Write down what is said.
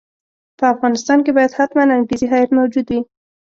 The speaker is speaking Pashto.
په افغانستان کې باید حتماً انګریزي هیات موجود وي.